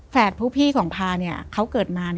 ผู้พี่ของพาเขาเกิดมา